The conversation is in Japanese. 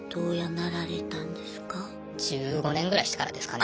１５年ぐらいしてからですかね。